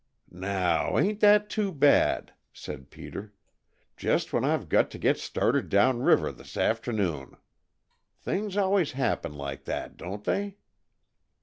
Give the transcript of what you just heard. "Now, ain't that too bad!" said Peter. "Just when I've got to get started down river this afternoon. Things always happen like that, don't they?"